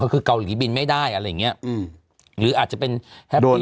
ก็คือเกาหลีบินไม่ได้อะไรอย่างเงี้ยอืมหรืออาจจะเป็นแฮปปี้